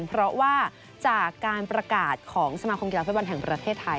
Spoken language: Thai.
เพราะว่าจากการประกาศของสมาคมกีฬาฟุตบอลแห่งประเทศไทย